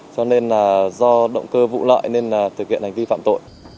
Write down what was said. cho nên là do động cơ vụ lợi nên thực hiện hành vi phạm tội